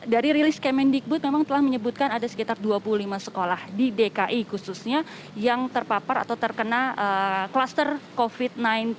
dari rilis kemendikbud memang telah menyebutkan ada sekitar dua puluh lima sekolah di dki khususnya yang terpapar atau terkena kluster covid sembilan belas